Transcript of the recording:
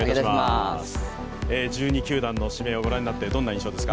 １２球団の指名を御覧になって、どんな印象ですか？